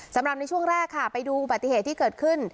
สำหรับในช่วงแรกค่ะไปดูอุบัติเหตุที่เกิดขึ้น